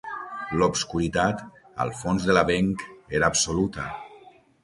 L'obscuritat, al fons de l'avenc, era absoluta.